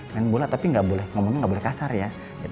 main bola tapi ngomongnya nggak boleh kasar ya